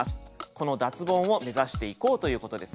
この脱ボンを目指していこうということですね。